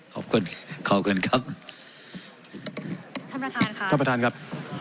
ขอบคุณขอบคุณครับท่านประธานค่ะท่านประธานครับ